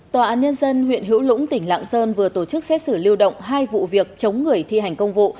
tòa án nhân dân huyện hữu lũng tỉnh lạng sơn vừa tổ chức xét xử lưu động hai vụ việc chống người thi hành công vụ